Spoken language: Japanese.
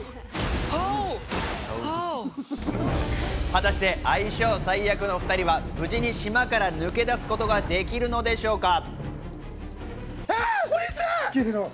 果たして相性最悪の２人は無事に島から抜け出すことができるのでしょうか。